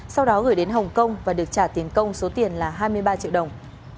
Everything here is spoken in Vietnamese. sau đó gửi đến hồng kông và được trả tiền công số tiền là hai mươi ba triệu đồng